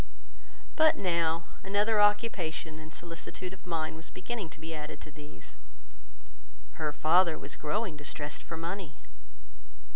But now, another occupation and solicitude of mind was beginning to be added to these. Her father was growing distressed for money.